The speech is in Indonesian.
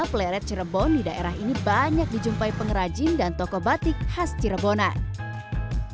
pleret cirebon di daerah ini banyak dijumpai pengrajin dan toko batik khas cirebonan